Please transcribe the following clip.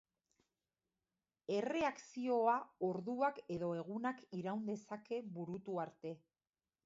Erreakzioa orduak edo egunak iraun dezake burutu arte.